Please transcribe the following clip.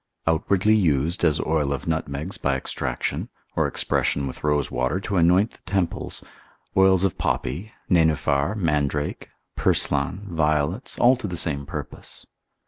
Outwardly used, as oil of nutmegs by extraction, or expression with rosewater to anoint the temples, oils of poppy, nenuphar, mandrake, purslan, violets, all to the same purpose.